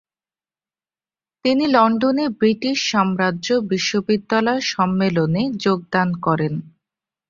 তিনি লন্ডনে ব্রিটিশ সাম্রাজ্য বিশ্ববিদ্যালয় সম্মেলনে যোগদান করেন।